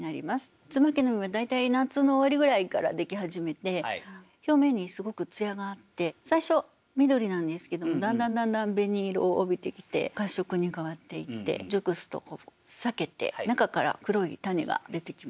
椿の実は大体夏の終わりぐらいからでき始めて表面にすごく艶があって最初緑なんですけどもだんだんだんだん紅色を帯びてきて褐色に変わっていって熟すと裂けて中から黒い種が出てきます。